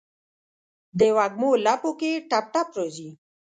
دوږمو لپو کې ټپ، ټپ راځي